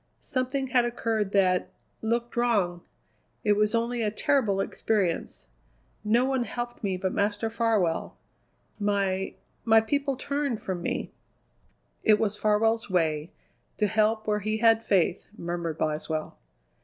Something had occurred that looked wrong. It was only a terrible experience. No one helped me but Master Farwell. My my people turned from me." "It was Farwell's way: to help where he had faith," murmured Boswell.